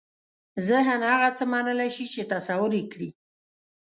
ذهن هغه څه منلای شي چې تصور یې کړي.